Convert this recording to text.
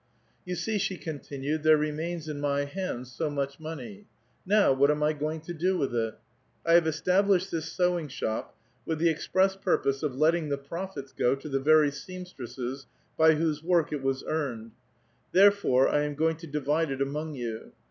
." You see," she continued, '' there remains in m}' hands so much money. Now what am I goiug to do with it? 1 have established this sewiLig shop with the express pur[X)8e ' of letting the profits go to the very seamstresses by whose woric it was earned. Therefore, 1 am goiug to divide it among you.